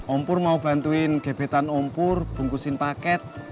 om pur mau bantuin gebetan om pur bungkusin paket